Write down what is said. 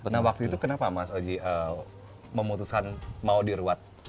nah waktu itu kenapa mas oji memutuskan mau diruat